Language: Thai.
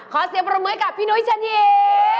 ขอเสียบรมเมืองกับพี่หนุ๊ยชะนียม